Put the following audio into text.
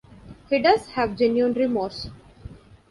He does have genuine remorse.